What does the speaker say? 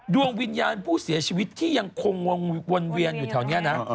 ดวงวิญญาณผู้เสียชีวิตที่ยังคงวนเวียนอยู่แถวนี้นะ